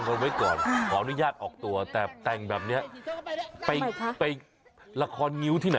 เหมือนไม่ได้แต่งเลยว๊ะแบบนี้